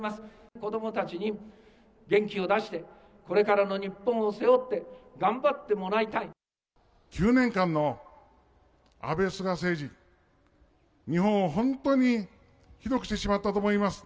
子どもたちに元気を出して、これからの日本を背負って、９年間の安倍・菅政治、日本を本当にひどくしてしまったと思います。